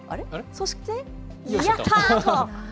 そして、やった！と。